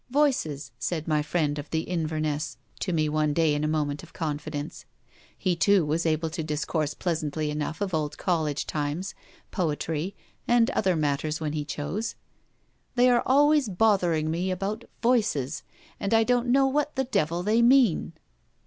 'Voices,' said my friend of the Inverness to me one day in a moment of confidence, he too was able to discourse pleasantly enough of old college times, poetry, and other matters when he chose, 'they are always bothering me about "voices," and I don't know what the devil they mean.'